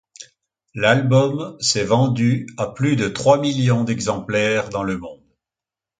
L'album s'est vendu à plus de trois millions d'exemplaires dans le monde.